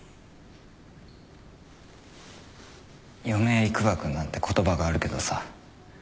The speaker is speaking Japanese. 余命いくばくなんて言葉があるけどさ